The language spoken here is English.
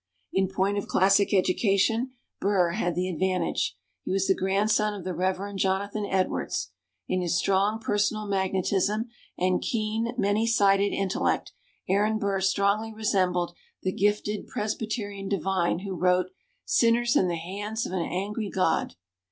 In point of classic education, Burr had the advantage. He was the grandson of the Reverend Jonathan Edwards. In his strong, personal magnetism, and keen, many sided intellect, Aaron Burr strongly resembled the gifted Presbyterian divine who wrote "Sinners in the Hands of an Angry God."